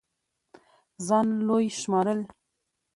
ځان لوے شمارل